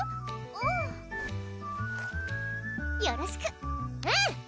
うんよろしくうん！